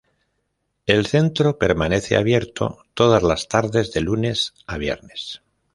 El centro permanece abierto todas las tardes de lunes a viernes.